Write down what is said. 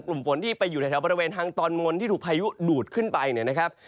กลุ่มฝนที่ไปอยู่แถวบริเวณทางตอนบนที่ถูกพายุดูดขึ้นไปเนี่ยนะครับ